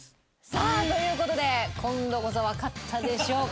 さあという事で今度こそわかったでしょうか？